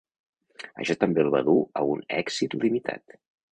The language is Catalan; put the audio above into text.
Això també el va dur a un èxit limitat.